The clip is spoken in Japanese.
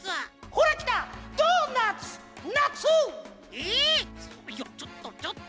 えいやちょっとちょっと。